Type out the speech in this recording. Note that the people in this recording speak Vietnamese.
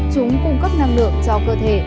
chúng cung cấp năng lượng cho cơ thể